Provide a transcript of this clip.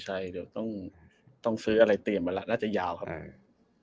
ใช่เดี๋ยวต้องต้องซื้ออะไรเตรียมมาแล้วน่าจะยาวครับอืม